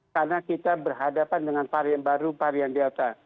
karena kita berhadapan dengan varian baru varian delta